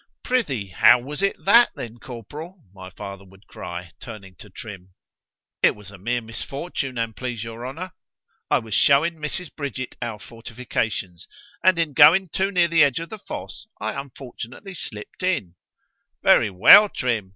—Prithee, how was it then, corporal? my father would cry, turning to Trim.—It was a mere misfortune, an' please your honour;——I was shewing Mrs. Bridget our fortifications, and in going too near the edge of the fosse, I unfortunately slipp'd in——Very well, _Trim!